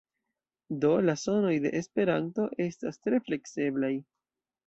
Do, la sonoj de esperanto estas tre flekseblaj.